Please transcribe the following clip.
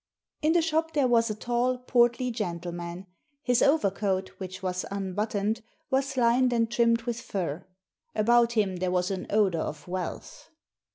In the shop there was a tall, portly gentleman. His overcoat, which was unbuttoned, was lined and trimmed with fur. About him there was an odour of wealth.